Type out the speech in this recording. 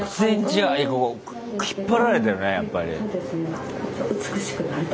引っ張られてるねやっぱり。